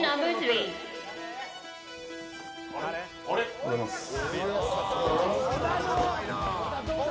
おはようございます。